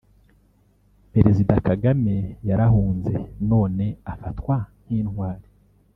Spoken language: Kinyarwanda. Perezida Kagame yarahunze none afatwa nk’intwari